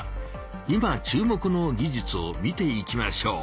いま注目の技術を見ていきましょう。